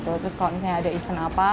terus kalau misalnya ada event apa